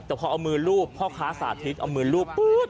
แต่พอเอามือลูบพ่อค้าสาธิตเอามือลูบปุ๊บ